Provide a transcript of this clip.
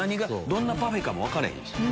どんなパフェかも分かれへん。